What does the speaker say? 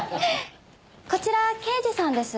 こちら刑事さんです。